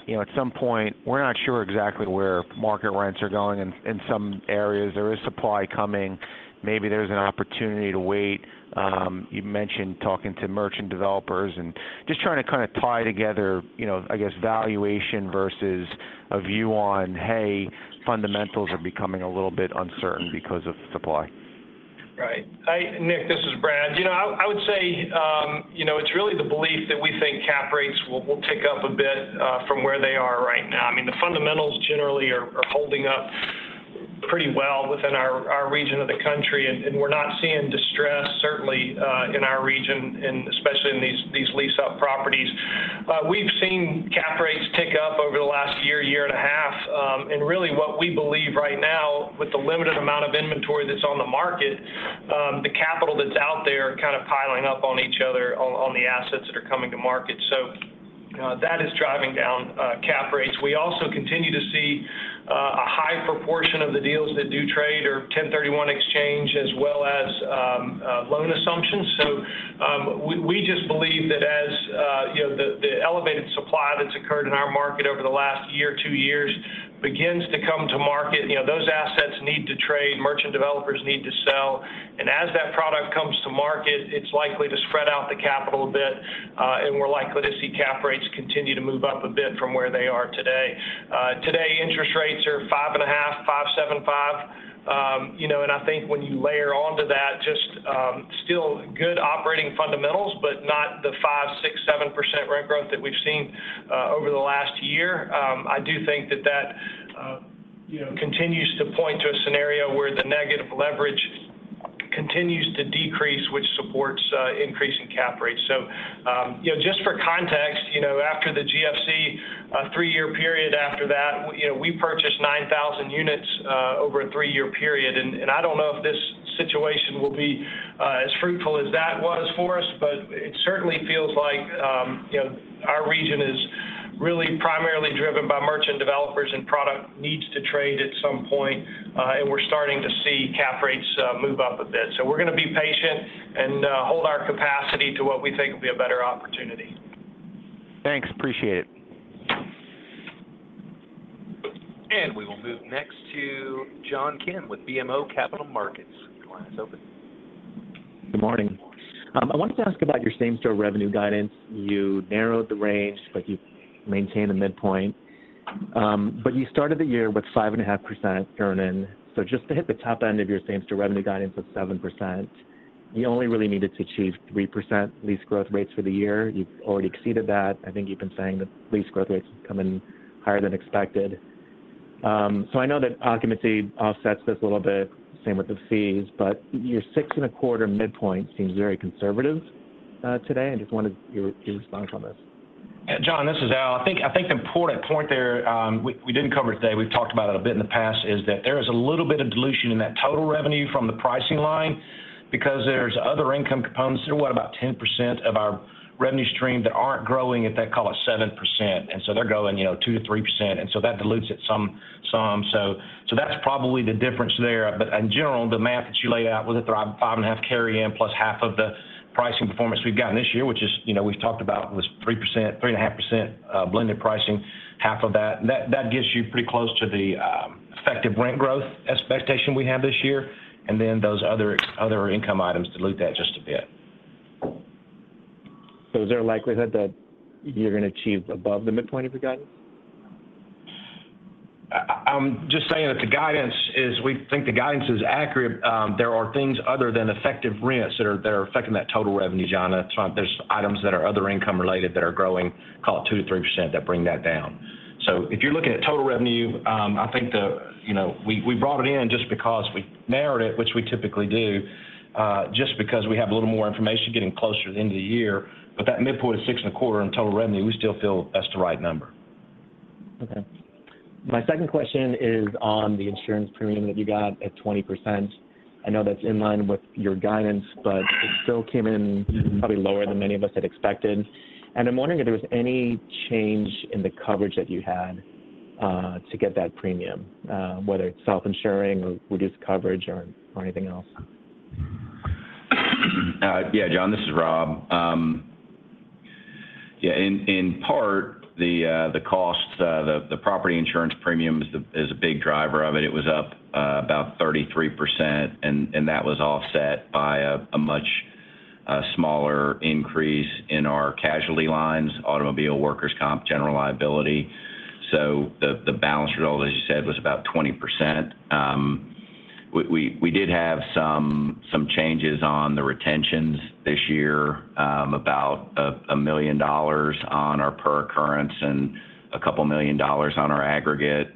you know, at some point, we're not sure exactly where market rents are going in, in some areas, there is supply coming, maybe there's an opportunity to wait. You mentioned talking to merchant developers and just trying to kind of tie together, you know, I guess, valuation versus a view on, hey, fundamentals are becoming a little bit uncertain because of supply. Right. Nick, this is Brad. You know, I would say, you know, it's really the belief that we think cap rates will tick up a bit from where they are right now. I mean, the fundamentals generally are holding up pretty well within our region of the country, and we're not seeing distress, certainly, in our region, and especially in these lease-up properties. We've seen cap rates tick up over the last year, year and a half. Really, what we believe right now, with the limited amount of inventory that's on the market, the capital that's out there kind of piling up on each other on the assets that are coming to market. That is driving down cap rates. We also continue to see a high proportion of the deals that do trade or 1031 exchange, as well as loan assumptions. We just believe that as, you know, the elevated supply that's occurred in our market over the last one year, two years, begins to come to market, you know, those assets need to trade, merchant developers need to sell. As that product comes to market, it's likely to spread out the capital a bit, and we're likely to see cap rates continue to move up a bit from where they are today. Today, interest rates are 5.5, 5.75. You know, I think when you layer onto that, just still good operating fundamentals, but not the 5%, 6%, 7% rent growth that we've seen over the last year. I do think that that, you know, continues to point to a scenario where the negative leverage continues to decrease, which supports increasing cap rates. You know, just for context, you know, after the GFC, three-year period after that, you know, we purchased 9,000 units over a three-year period. I don't know if this situation will be as fruitful as that was for us, but it certainly feels like, you know, our region is really primarily driven by merchant developers, and product needs to trade at some point, and we're starting to see cap rates move up a bit. We're gonna be patient and hold our capacity to what we think will be a better opportunity. Thanks, appreciate it. We will move next to John Kim with BMO Capital Markets. Your line is open. Good morning. I wanted to ask about your same-store revenue guidance. You narrowed the range, but you maintained a midpoint. You started the year with 5.5% turn in, so just to hit the top end of your same-store revenue guidance of 7%, you only really needed to achieve 3% lease growth rates for the year. You've already exceeded that. I think you've been saying that lease growth rates have come in higher than expected. I know that occupancy offsets this a little bit, same with the fees, but your 6.25% midpoint seems very conservative today. I just wondered your response on this. Yeah, John, this is Al. I think the important point there, we didn't cover it today, we've talked about it a bit in the past, is that there is a little bit of dilution in that total revenue from the pricing line because there's other income components. They're, what, about 10% of our revenue stream that aren't growing at that call it 7%. They're going, you know, 2%-3%, and that dilutes it some. That's probably the difference there. In general, the math that you laid out with a 5.5 carry-in, plus half of the pricing performance we've gotten this year, which is, you know, we've talked about, was 3%, 3.5% blended pricing, half of that. That gets you pretty close to the effective rent growth expectation we have this year, and then those other income items dilute that just a bit. Is there a likelihood that you're gonna achieve above the midpoint of the guidance? I'm just saying that the guidance is. We think the guidance is accurate. There are things other than effective rents that are affecting that total revenue, John. There's items that are other income-related that are growing, call it 2%-3%, that bring that down. If you're looking at total revenue, I think you know, we brought it in just because we narrowed it, which we typically do, just because we have a little more information getting closer to the end of the year. But that midpoint is 6.25% in total revenue. We still feel that's the right number. Okay. My second question is on the insurance premium that you got at 20%. I know that's in line with your guidance, it still came in probably lower than many of us had expected. I'm wondering if there was any change in the coverage that you had to get that premium, whether it's self-insuring or reduced coverage or anything else? Yeah, John, this is Rob. Yeah, in part, the costs, the property insurance premium is a big driver of it. It was up about 33%, and that was offset by a much smaller increase in our casualty lines, automobile, workers' comp, general liability. The balance result, as you said, was about 20%. We did have some changes on the retentions this year, about $1 million on our per occurrence and $2 million on our aggregate.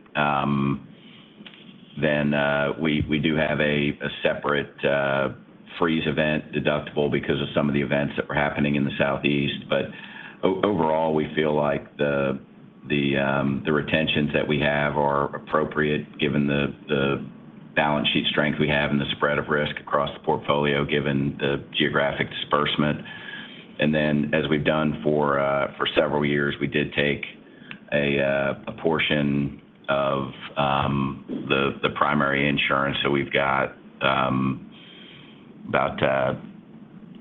Then we do have a separate freeze event deductible because of some of the events that were happening in the Southeast. Overall, we feel like the retentions that we have are appropriate given the balance sheet strength we have and the spread of risk across the portfolio, given the geographic disbursement. Then, as we've done for several years, we did take a portion of the primary insurance. We've got about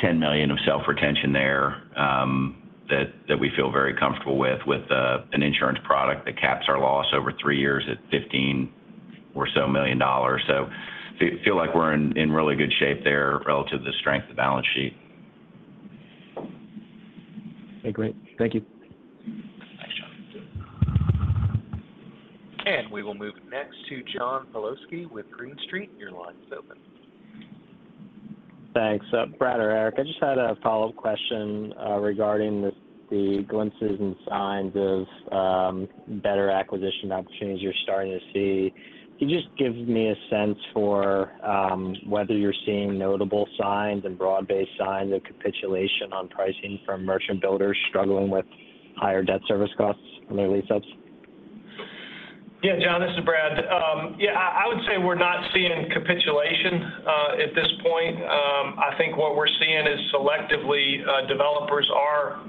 $10 million of self-retention there, that we feel very comfortable with an insurance product that caps our loss over three years at $15 million or so. Feel like we're in really good shape there relative to the strength of the balance sheet. Okay, great. Thank you. We will move next to John Pawlowski with Green Street. Your line is open. Thanks. Brad or Eric, I just had a follow-up question regarding the glimpses and signs of better acquisition opportunities you're starting to see. Can you just give me a sense for whether you're seeing notable signs and broad-based signs of capitulation on pricing from merchant builders struggling with higher debt service costs on their lease ups? John, this is Brad. I would say we're not seeing capitulation at this point. I think what we're seeing is selectively, developers are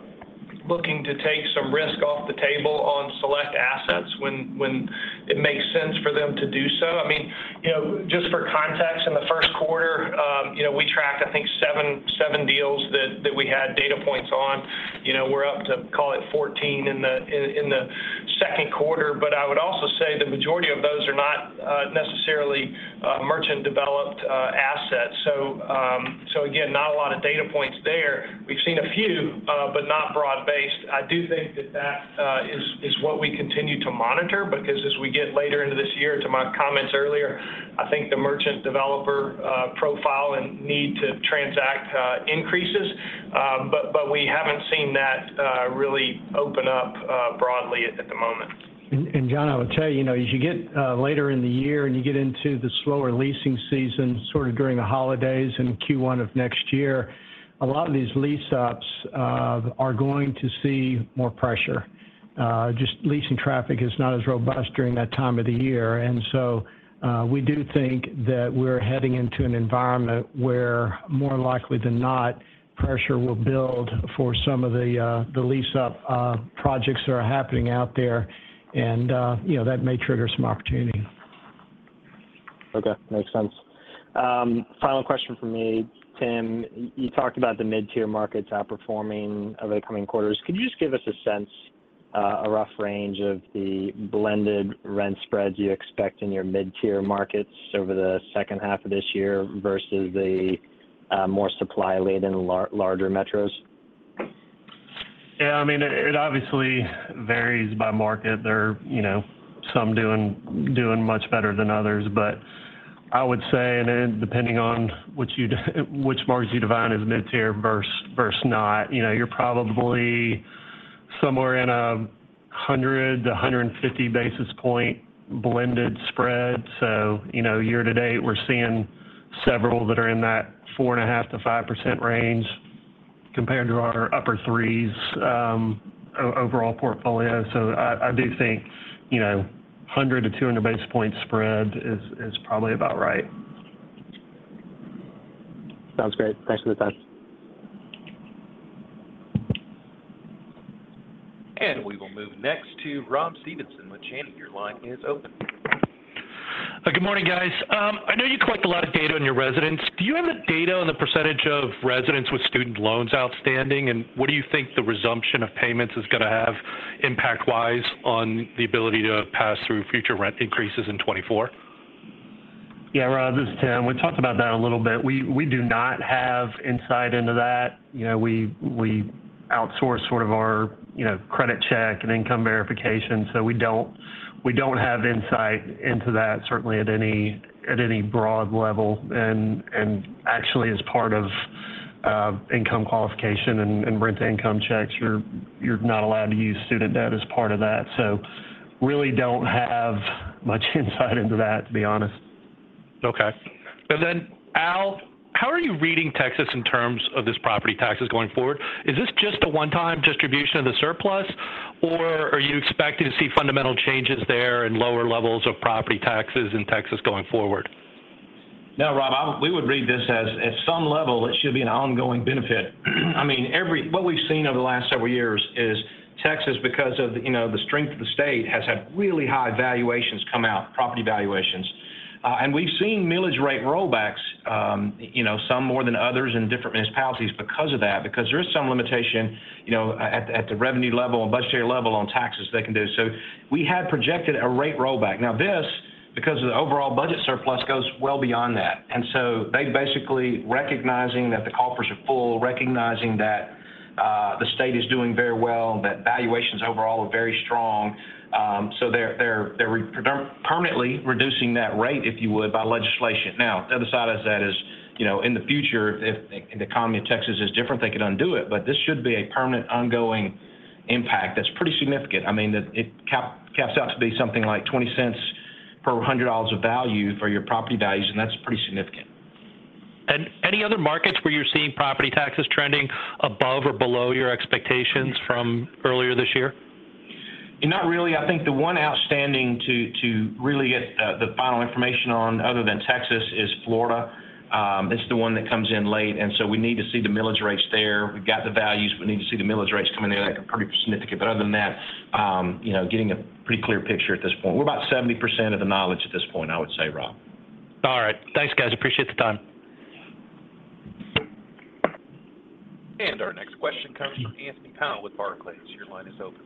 looking to take some risk off the table on select assets when it makes sense for them to do so. I mean, you know, just for context, in the first quarter, we tracked, I think, seven deals that we had data points on. We're up to call it 14 in the second quarter. I would also say the majority of those are not necessarily merchant-developed assets. Again, not a lot of data points there. We've seen a few, not broad-based. I do think that is what we continue to monitor, because as we get later into this year, to my comments earlier, I think the merchant developer profile and need to transact increases. We haven't seen that really open up broadly at the moment. John, I would tell you, you know, as you get later in the year, and you get into the slower leasing season, sort of during the holidays and Q1 of next year, a lot of these lease-ups are going to see more pressure. Just leasing traffic is not as robust during that time of the year. So, we do think that we're heading into an environment where more likely than not, pressure will build for some of the lease-up projects that are happening out there. You know, that may trigger some opportunity. Okay, makes sense. final question from me. Tim, you talked about the mid-tier markets outperforming over the coming quarters. Could you just give us a sense, a rough range of the blended rent spreads you expect in your mid-tier markets over the second half of this year versus the more supply-laden larger metros? Yeah, I mean, it obviously varies by market. There are, you know, some doing much better than others. I would say, and then depending on which market you define as mid-tier versus not, you know, you're probably somewhere in a 100 to 150 basis point blended spread. You know, year to date, we're seeing several that are in that 4.5%-5% range compared to our upper 3s overall portfolio. I do think, you know, 100 to 200 basis point spread is probably about right. Sounds great. Thanks for the time. We will move next to Rob Stevenson with Janney. Your line is open. Good morning, guys. I know you collect a lot of data on your residents. Do you have the data on the percentage of residents with student loans outstanding? What do you think the resumption of payments is gonna have impact-wise on the ability to pass through future rent increases in 2024? Yeah, Rob, this is Tim. We talked about that a little bit. We do not have insight into that. You know, we outsource sort of our, you know, credit check and income verification, so we don't have insight into that, certainly at any broad level. Actually, as part of income qualification and rent-to-income checks, you're not allowed to use student debt as part of that. Really don't have much insight into that, to be honest. Okay. Then, Al, how are you reading Texas in terms of its property taxes going forward? Is this just a one-time distribution of the surplus, or are you expecting to see fundamental changes there and lower levels of property taxes in Texas going forward? No, Rob, we would read this as, at some level, it should be an ongoing benefit. I mean, what we've seen over the last several years is Texas, because of the, you know, the strength of the state, has had really high valuations come out, property valuations. We've seen millage rate rollbacks, you know, some more than others in different municipalities because of that, because there is some limitation, you know, at, at the revenue level and budgetary level on taxes they can do. We had projected a rate rollback. Now, this, because of the overall budget surplus, goes well beyond that. They basically recognizing that the coffers are full, recognizing that. ...the state is doing very well, that valuations overall are very strong. They're permanently reducing that rate, if you would, by legislation. The other side of that is, you know, in the future, if the economy of Texas is different, they could undo it, but this should be a permanent, ongoing impact that's pretty significant. I mean, it caps out to be something like $0.20 per $100 of value for your property values, and that's pretty significant. Any other markets where you're seeing property taxes trending above or below your expectations from earlier this year? Not really. I think the one outstanding to, to really get, the final information on, other than Texas, is Florida. It's the one that comes in late, we need to see the millage rates there. We've got the values, we need to see the millage rates come in. They look pretty significant, other than that, you know, getting a pretty clear picture at this point. We're about 70% of the knowledge at this point, I would say, Rob. All right. Thanks, guys. Appreciate the time. Our next question comes from Anthony Powell with Barclays. Your line is open.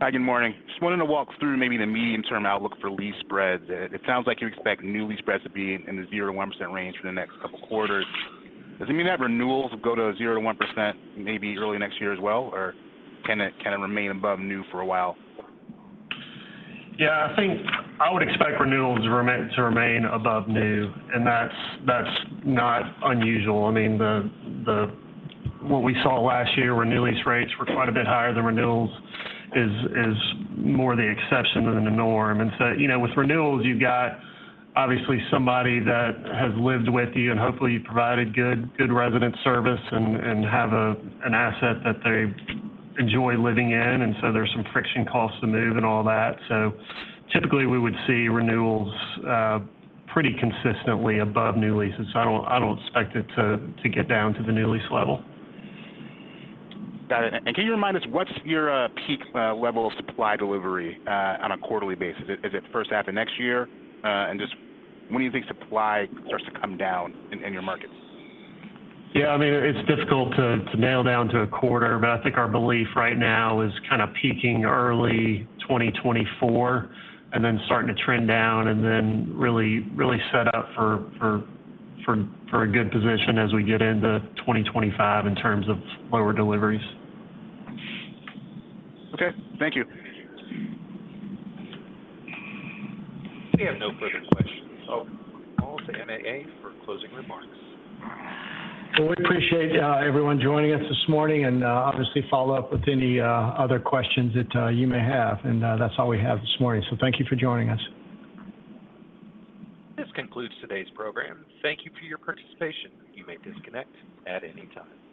Hi, good morning. Just wanting to walk through maybe the medium-term outlook for lease spreads. It sounds like you expect new lease spreads to be in the 0%-1% range for the next couple quarters. Does it mean that renewals will go to 0%-1%, maybe early next year as well, or can it remain above new for a while? Yeah, I think I would expect renewals to remain above new, and that's, that's not unusual. I mean, the What we saw last year, where new lease rates were quite a bit higher than renewals, is, is more the exception than the norm. You know, with renewals, you've got obviously somebody that has lived with you, and hopefully you provided good, good resident service and, and have a, an asset that they enjoy living in, and so there's some friction costs to move and all that. Typically, we would see renewals pretty consistently above new leases. I don't, I don't expect it to, to get down to the new lease level. Got it. Can you remind us, what's your peak level of supply delivery on a quarterly basis? Is it first half of next year? Just when do you think supply starts to come down in your markets? Yeah, I mean, it's difficult to nail down to a quarter, but I think our belief right now is kind of peaking early 2024 and then starting to trend down and then really set up for a good position as we get into 2025 in terms of lower deliveries. Okay. Thank you. We have no further questions. to MAA for closing remarks. Well, we appreciate everyone joining us this morning and obviously follow up with any other questions that you may have. That's all we have this morning, so thank you for joining us. This concludes today's program. Thank you for your participation. You may disconnect at any time.